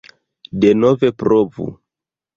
Denove provu